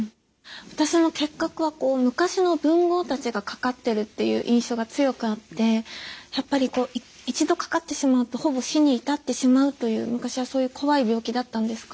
私も結核はこう昔の文豪たちがかかってるっていう印象が強くあってやっぱりこう一度かかってしまうとほぼ死に至ってしまうという昔はそういう怖い病気だったんですか？